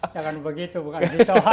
jangan begitu bukan gitu